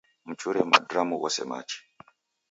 Mchure madramu ghose machi